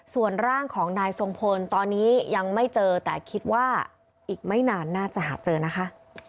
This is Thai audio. ส่วนร่างของนายทรงพลตอนนี้ยังไม่เจอแต่คิดว่าอีกไม่นานน่าจะหาเจอนะคะ